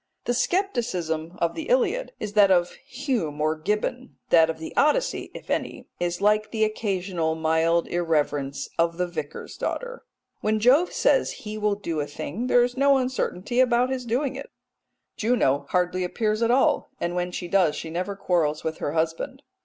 The scepticism of the Iliad is that of Hume or Gibbon; that of the Odyssey (if any) is like the occasional mild irreverence of the Vicar's daughter. When Jove says he will do a thing, there is no uncertainty about his doing it. Juno hardly appears at all, and when she does she never quarrels with her husband.